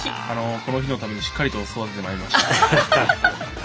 この日のためにしっかりと育ててまいりました。